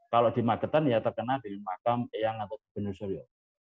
kalau di magetan ya terkena di mahkam yang atau gubernur suryo